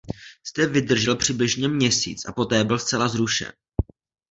Zde vydržel přibližně měsíc a poté byl zcela zrušen.